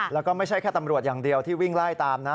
แล้วก็ไม่ใช่แค่ตำรวจอย่างเดียวที่วิ่งไล่ตามนะ